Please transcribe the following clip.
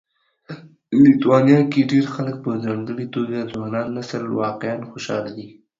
لیتوانیا کې ډېر خلک په ځانګړي توګه ځوان نسل واقعا خوشاله دي